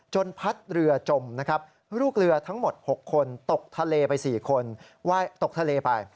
จนพัดเดือนจมลูกเรือทั้งหมด๖คนตกทะเลไป